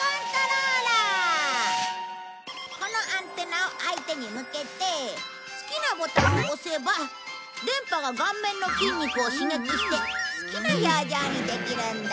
このアンテナを相手に向けて好きなボタンを押せば電波が顔面の筋肉を刺激して好きな表情にできるんだ。